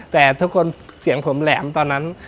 แต่ทุกคนเสียงผมแหลมตอนนั้น